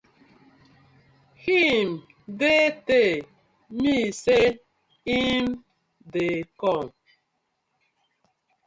Him dey tey mi say im dey kom.